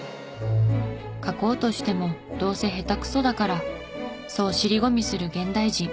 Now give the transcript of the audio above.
「書こうとしてもどうせ下手くそだから」そう尻込みする現代人。